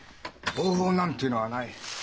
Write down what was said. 方法なんてのはない。